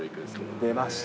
出ました。